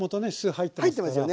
入ってますよね。